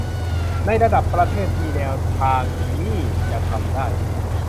ในระดับประเทศมีแนวทางมี่จะทำได้